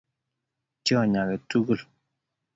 Tyony age tugul.